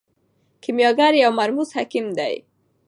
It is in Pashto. کیمیاګر یو مرموز حکیم دی.